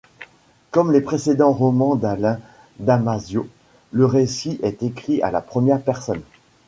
Comme les précédents romans d'Alain Damasio, le récit est écrit à la première personne.